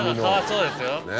そうですよ。